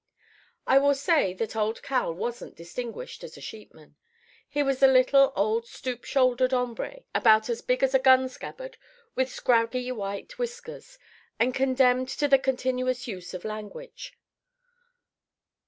"I will say that old Cal wasn't distinguished as a sheepman. He was a little, old stoop shouldered hombre about as big as a gun scabbard, with scraggy white whiskers, and condemned to the continuous use of language.